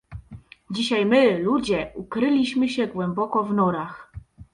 Dzisiaj my, ludzie, ukryliśmy się głęboko w norach